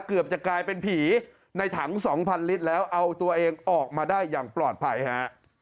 เกือบจะกลายเป็นผีในถัง๒๐๐ลิตรแล้วเอาตัวเองออกมาได้อย่างปลอดภัยฮะ